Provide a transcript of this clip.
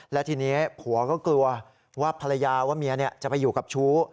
และทีนี้ผัวก็กลัวว่าภรรยาว่าเมียจะไปอยู่กับชู้